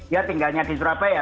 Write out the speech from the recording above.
ya tinggalnya di surabaya